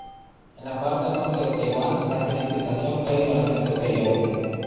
En la parte norte de Taiwán, la precipitación cae durante este periodo.